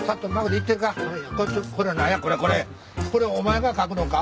これお前が書くのか？